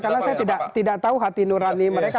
karena saya tidak tahu hati nurani mereka